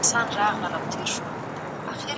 ایا د بدن د غړو خوځول د مفصلونو درد کموي؟